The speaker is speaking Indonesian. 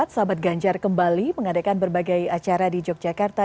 sahabat ganjar kembali mengadakan berbagai acara di yogyakarta